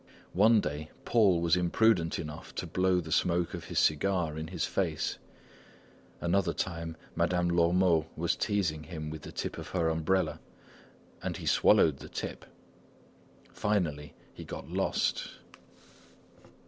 One day, Paul was imprudent enough to blow the smoke of his cigar in his face; another time, Madame Lormeau was teasing him with the tip of her umbrella and he swallowed the tip. Finally he got lost.